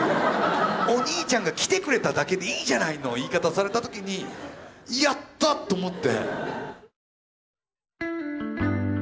「お兄ちゃんが来てくれただけでいいじゃない」の言い方された時に「やった！」と思って。